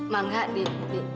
mangga diminum dulu biar adung ya